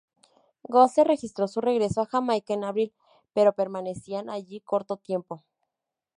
Gosse registró su regreso a Jamaica en abril, pero permanecían allí corto tiempo.